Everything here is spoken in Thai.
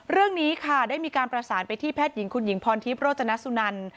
เรื่องนี้ค่ะได้มีการประสานไปที่แพทย์หญิงคุณหญิงพรทิพย์โรจนสุนัน